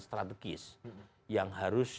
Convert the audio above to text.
strategis yang harus